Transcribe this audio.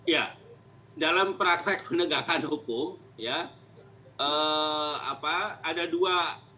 ya dalam praktek penegakan hukum ya